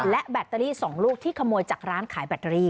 และแบตเตอรี่๒ลูกที่ขโมยจากร้านขายแบตเตอรี่